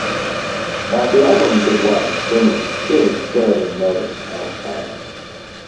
While the album did well in Finland, it was barely noticed elsewhere.